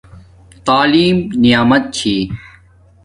تعلیم نعمت چھِی